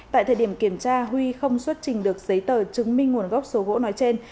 tại thời điểm kiểm tra huy không xuất trình được giấy tờ chứng minh nguồn gốc số gỗ nói trên